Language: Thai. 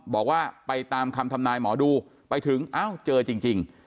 บอกว่าไปตามคำทำนายหมอดูไปถึงเอ้าเจอจริง